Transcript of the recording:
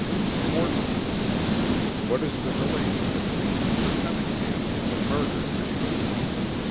(14) What is the relation between Mr. Cunningham and the murdered man?